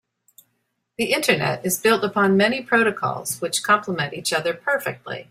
The internet is built upon many protocols which compliment each other perfectly.